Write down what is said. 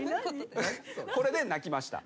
これで泣きました。